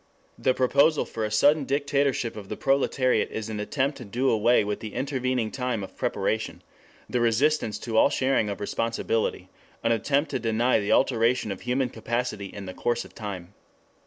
The proposal for a sudden dictatorship of the proletariat is an attempt to do away with the intervening time of preparation; the resistance to all sharing of responsibility an attempt to deny the alteration of human capacity in the course of time.